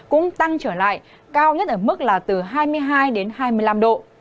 cũng tăng trở lại cao nhất ở mức là từ hai mươi hai đến hai mươi năm độ